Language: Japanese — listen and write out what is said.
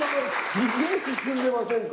すげえ進んでませんか？